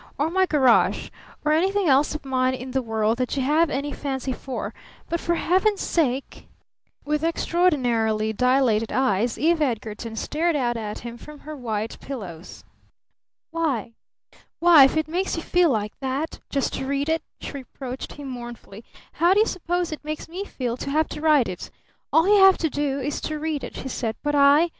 Or my garage! Or anything else of mine in the world that you have any fancy for! But for Heaven's sake " With extraordinarily dilated eyes Eve Edgarton stared out at him from her white pillows. "Why why, if it makes you feel like that just to read it," she reproached him mournfully, "how do you suppose it makes me feel to have to write it? All you have to do is to read it," she said. "But I?